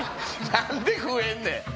なんで増えんねん。